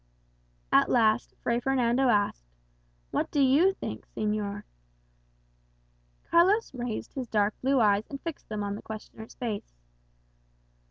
At last Fray Fernando asked, "What do you think, señor?" Carlos raised his dark blue eyes and fixed them on the questioner's face.